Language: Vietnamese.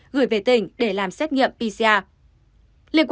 gửi về tỉnh để làm xét nghiệm pcr